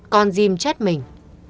còn dìm chết mình